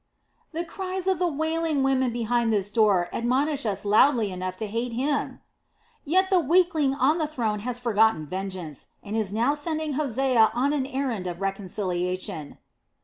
"The cries of the wailing women behind this door admonish us loudly enough to hate him." "Yet the weakling on the throne has forgotten vengeance, and is now sending Hosea on an errand of reconciliation."